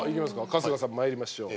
春日さん参りましょう。